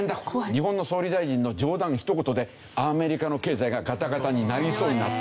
日本の総理大臣の冗談一言でアメリカの経済がガタガタになりそうになった。